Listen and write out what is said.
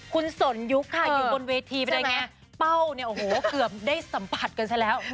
คุณสนยุคค่ะอยู่บนเวทีไปได้ไงเป้าเนี่ยโอ้โหเกือบได้สัมผัสกันซะแล้ว